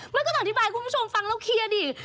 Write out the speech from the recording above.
ก็ต้องอธิบายคุณผู้ชมฟังแล้วเคลียร์ดิ